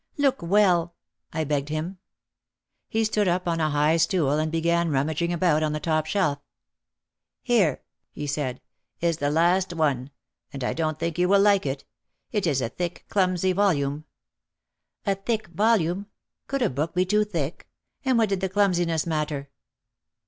"Look well," I begged him. He stood up on a high stool and began rummaging about on the top shelf. "Here," he said, "is the last one, and I don't think you will like it. It is a thick, clumsy volume." A thick volume! Could a book be too thick? And what did the clumsiness matter!